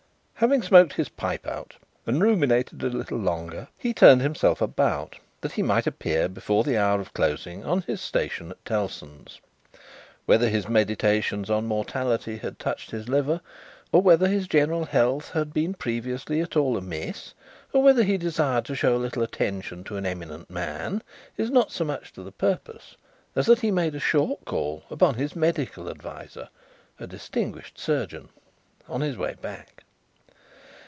Having smoked his pipe out, and ruminated a little longer, he turned himself about, that he might appear, before the hour of closing, on his station at Tellson's. Whether his meditations on mortality had touched his liver, or whether his general health had been previously at all amiss, or whether he desired to show a little attention to an eminent man, is not so much to the purpose, as that he made a short call upon his medical adviser a distinguished surgeon on his way back.